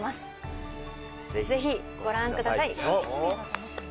ぜひご覧ください！